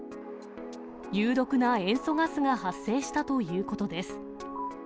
有毒な塩素ガスが発生したということです。